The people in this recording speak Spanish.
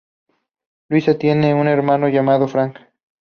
Luisa tiene un hermano llamado Frank.